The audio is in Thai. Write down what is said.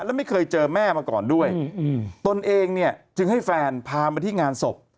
และไม่เคยเจอแม่มาก่อนด้วยตนเองเนี่ยจึงให้แฟนพามาที่งานศพ